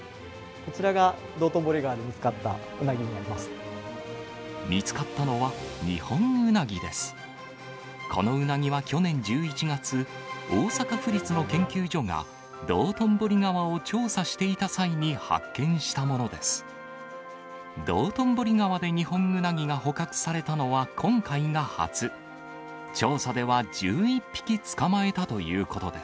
このウナギは去年１１月、大阪府立の研究所が、道頓堀川を調査していた際に発見したものです。